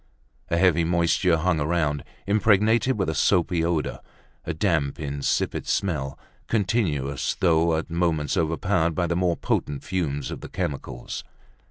A heavy moisture hung around, impregnated with a soapy odor, a damp insipid smell, continuous though at moments overpowered by the more potent fumes of the chemicals.